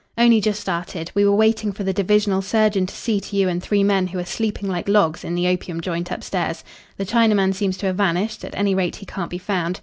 "Only just started. We are waiting for the divisional surgeon to see to you and three men who are sleeping like logs in the opium joint upstairs. The Chinaman seems to have vanished at any rate, he can't be found.